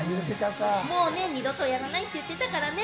もう二度とやらないって言ってたからね。